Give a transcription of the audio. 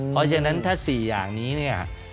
เพราะฉะนั้นถ้า๔อย่างนี้